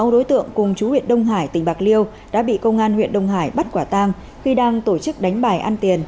sáu đối tượng cùng chú huyện đông hải tỉnh bạc liêu đã bị công an huyện đông hải bắt quả tang khi đang tổ chức đánh bài ăn tiền